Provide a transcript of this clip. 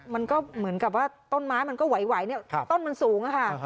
มันก็เหมือนกับว่าต้นไม้มันก็ไหวเนี่ยต้นมันสูงค่ะ